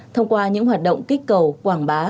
thông qua những hoạt động kích cầu quảng bá